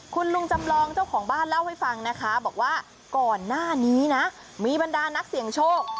คุณลุงจำลองเจ้าของบ้านเล่าให้ฟังนะคะบอกว่าก่อนหน้านี้นะมีบรรดานักเสี่ยงโชค